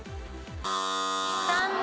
残念。